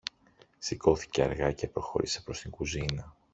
Σηκώθηκε αργά και προχώρησε προς την κουζίνα